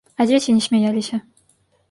А дзеці не смяяліся.